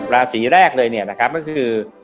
ราศีแรกเลยเนี่ยนะครับก็คือ